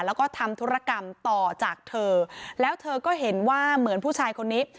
แล้วก็ทำธุรกรรมต่อจากเธอแล้วเธอก็เห็นว่าเหมือนผู้ชายคนนี้